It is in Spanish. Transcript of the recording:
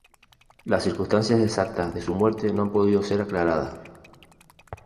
Las circunstancias exactas de su muerte no han podido ser aclaradas.